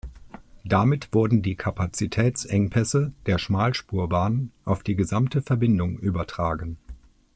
Damit wurden die Kapazitätsengpässe der Schmalspurbahn auf die gesamte Verbindung übertragen.